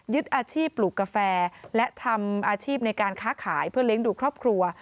อาชีพปลูกกาแฟและทำอาชีพในการค้าขายเพื่อเลี้ยงดูครอบครัว